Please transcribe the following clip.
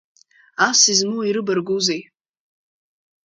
Ас измоу ирыбаргәузеи!